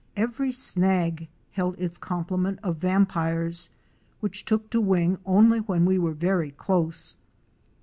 Every snag held its complement of vampires which took to wing only when we were very close.